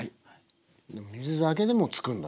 水だけでもつくんだ。